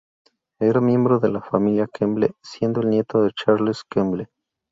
Era miembro de la Familia Kemble, siendo el nieto de Charles Kemble.